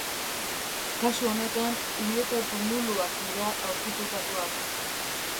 Kasu honetan hileta-tumuluak dira aurkitutakoak.